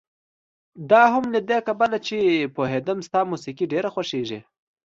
دا هم له دې کبله چې پوهېدم ستا موسيقي ډېره خوښېږي.